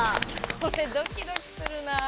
これドキドキするなぁ。